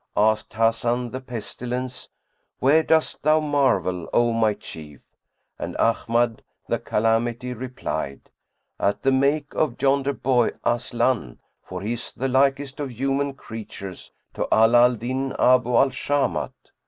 Asked Hasan the Pestilence, "Whereat dost thou marvel, O my chief?" and Ahmad the Calamity replied, "At the make of yonder boy Aslan, for he is the likest of human creatures to Ala al Din Abu al Shamat."